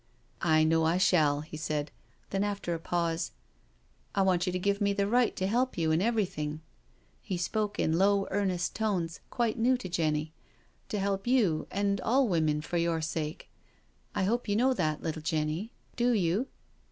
" I know I shall," he said; then after a pause: " I want you to give me the right to help you in every thing "— ^he spoke in low, earnest tones quite new to Jenny —" to help you, and all women for your sake. I hope you know that, little Jenny— do you?"